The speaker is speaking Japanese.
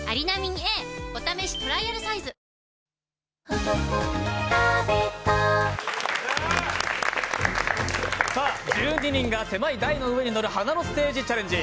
新発売１２人が狭い台の上に乗る華のステージチャレンジ。